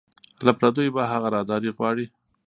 له پردیو به هغه راهداري غواړي